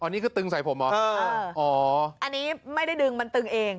อันนี้คือตึงใส่ผมเหรออ๋ออันนี้ไม่ได้ดึงมันตึงเอง